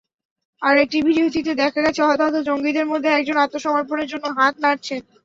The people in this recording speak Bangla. আরেকটি ভিডিওচিত্রে দেখা গেছে, হতাহত জঙ্গিদের মধ্যে একজন আত্মসমর্পণের জন্য হাত নাড়ছেন।